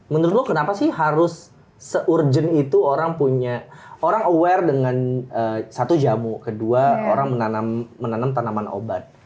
menurut gue kenapa sih harus se urgent itu orang punya orang aware dengan satu jamu kedua orang menanam tanaman obat